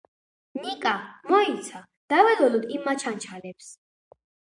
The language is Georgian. ნიკა, მოიცა, დაველოდოთ იმ მაჩანჩალებს.